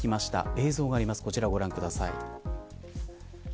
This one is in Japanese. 映像があります、ご覧ください。